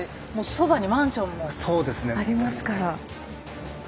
そばにマンションもありますから。